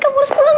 kamu harus pulang